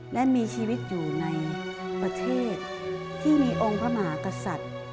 และมีชีวิตอยู่ในประเทศที่มีองค์พระมหากษัตริย์